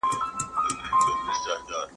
هغه خلک پريږده چي ستا تيرايستل د ځان کمال ګڼي!